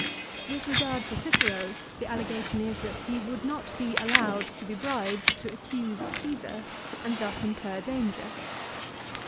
With regard to Cicero the allegation is that he would not be allowed to be bribed to accuse Caesar and thus incur danger.